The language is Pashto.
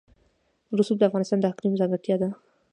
رسوب د افغانستان د اقلیم ځانګړتیا ده.